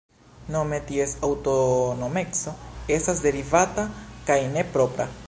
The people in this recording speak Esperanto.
Nome ties aŭtonomeco estas "derivata", kaj ne "propra".